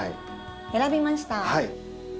選びました。